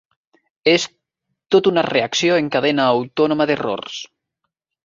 És tot una reacció en cadena autònoma d'errors!